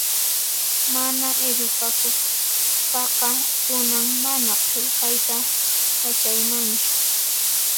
Mana edukakuspaqa kunan mana qillqayta yachaymanchu